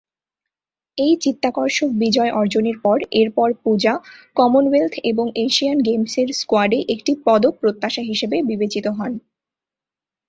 এই চিত্তাকর্ষক বিজয় অর্জনের পর, এরপর, পূজা, কমনওয়েলথ এবং এশিয়ান গেমসের স্কোয়াডে একটি পদক প্রত্যাশা হিসেবে বিবেচিত হন।